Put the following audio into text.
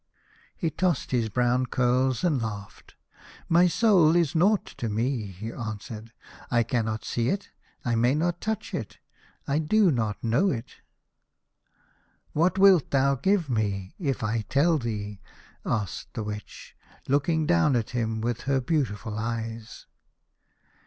He tossed his brown curls and laughed. " My soul is nought to me," he answered. " I cannot see it. I may not touch it. I do not know it." •"What wilt thou give me if I tell thee?" asked the Witch, looking down at him with her beautiful eyes.